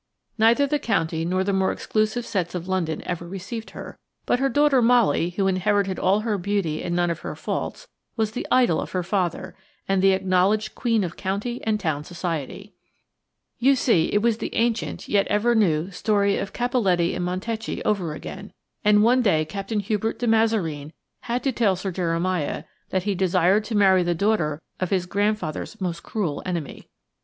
Neither the county nor the more exclusive sets of London ever received her, but her daughter Molly, who inherited all her beauty and none of her faults, was the idol of her father, and the acknowledged queen of county and town Society You see, it was the ancient, yet ever new, story of Cappelletti and Montecchi over again, and one day Captain Hubert de Mazareen had to tell Sir Jeremiah that he desired to marry the daughter of his grandfather's most cruel enemy.